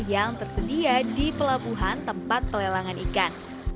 yang tersedia di pelabuhan tempat pelelangan ikan